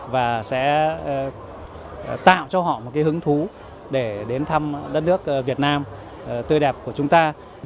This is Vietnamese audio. và sẽ tạo cho họ một cái hứng thú để đến thăm đất nước việt nam tươi đẹp của chúng ta